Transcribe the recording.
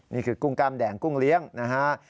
กุ้งกล้ามแดงกุ้งเลี้ยงนะฮะ